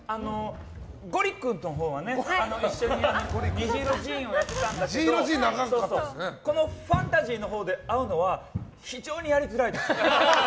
ゴリ君のほうは一緒に「にじいろジーン」をやってたんだけどファンタジーのほうで会うのは非常にやりづらいです。